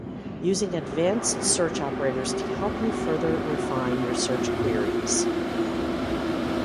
Using advanced search operators can help you further refine your search queries.